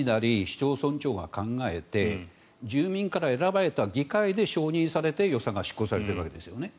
市町村長が考えて住民から選ばれた議会で承認されて予算が執行されているわけですよね。